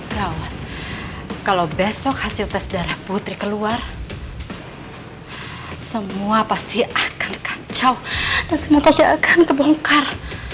gawat kalau besok hasil tes darah putri keluar semua pasti akan kacau dan semua pasti akan kebongkar